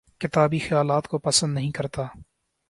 کتابی خیالات کو پسند نہیں کرتا